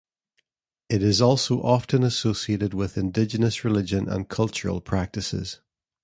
It is also often associated with indigenous religion and cultural practices.